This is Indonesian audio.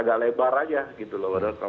agak lebar saja